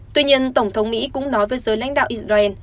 tuy nhiên tổng thống mỹ cũng nói với giới lãnh đạo israel